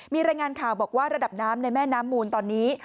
มีรายงานข่าวบอกว่าระดับน้ำในแม่น้ำมูลตอนนี้